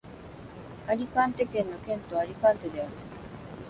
アリカンテ県の県都はアリカンテである